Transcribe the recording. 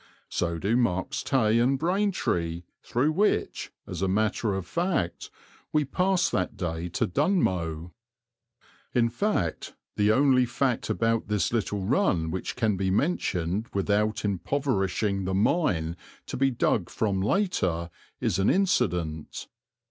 So do Marks Tey and Braintree through which, as a matter of fact, we passed that day to Dunmow. In fact the only fact about this little run which can be mentioned without impoverishing the mine to be dug from later is an incident.